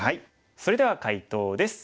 それでは解答です。